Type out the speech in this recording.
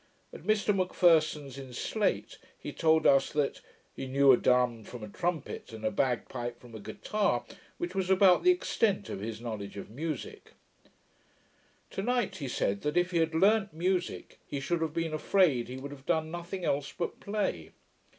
At Mr M'Pherson's, in Slate, he told us, that 'he knew a drum from a trumpet, and a bagpipe from a guitar, which was about the extent of his knowledge of musick'. To night he said, that, 'if he had learnt musick, he should have been afraid he would have done nothing else but play.